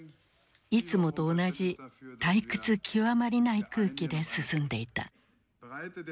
いつもと同じ退屈極まりない空気で進んでいた。